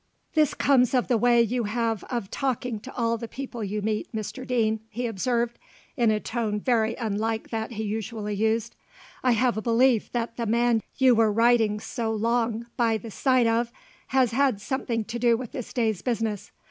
"This comes of the way you have of talking to all the people you meet, Mr Deane," he observed, in a tone very unlike that he usually used. "I have a belief that the man you were riding so long by the side of has had something to do with this day's business.